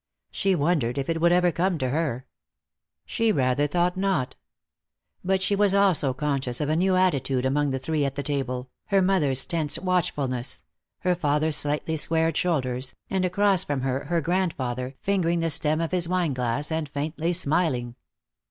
She wondered if it would ever come to her. She rather thought not. But she was also conscious of a new attitude among the three at the table, her mother's tense watchfulness, her father's slightly squared shoulders, and across from her her grandfather, fingering the stem of his wineglass and faintly smiling.